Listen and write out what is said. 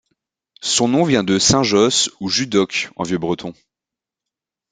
Son nom vient de Saint-Josse ou Judoc en vieux-breton.